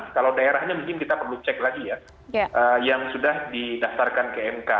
kalau daerahnya mungkin kita perlu cek lagi ya yang sudah didaftarkan ke mk